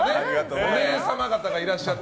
お姉様方がいらっしゃって。